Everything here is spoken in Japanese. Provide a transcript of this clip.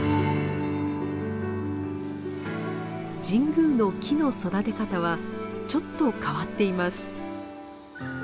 神宮の木の育て方はちょっと変わっています。